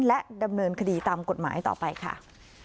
และดำเนินคดีตามกฎหมายต่อไปค่ะ